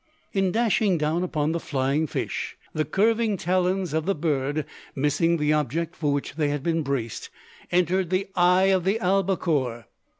In dashing down upon the flying fish, the curving talons of the bird, missing the object for which they had been braced, entered the eye of the albacore.